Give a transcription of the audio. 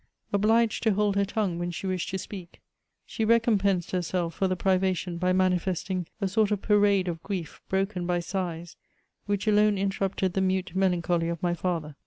Obliged to hold her tongue when she wished to speak, she recompensed herself for the privation by manifesting, a sort of parade of grief, broken by sighs, which alone intermpted the mute melancholy of niy father.